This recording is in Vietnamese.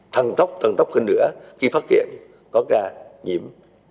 thần tốc thần tốc hơn nữa khi phát hiện có ca nhiễm